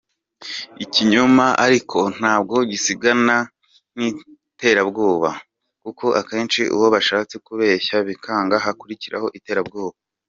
Ikinyoma ariko ntabwo gisigana n’iterabwoba, kuko akenshi uwo bashatse kubeshya bikanga hakurikiraho iterabwoba.